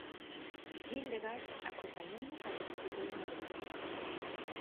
Hildegart acompañouno cando visitou Madrid.